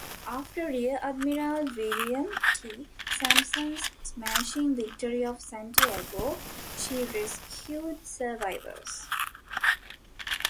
After Rear Admiral William T. Sampson's smashing victory off Santiago, she rescued survivors.